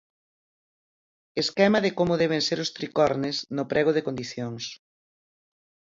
Esquema de como deben ser os tricornes, no prego de condicións.